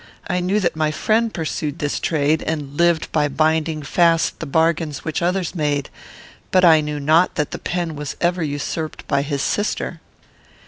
I knew that my friend pursued this trade, and lived by binding fast the bargains which others made; but I knew not that the pen was ever usurped by his sister."